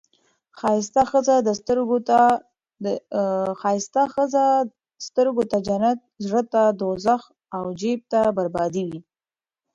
ښایسته ښځه سترګو ته جنت، زړه ته دوزخ او جیب بربادي وي.